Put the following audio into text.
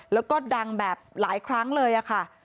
แล้วก็ดังแบบหลายครั้งเลยค่ะ